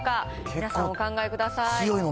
皆さん、お考えください。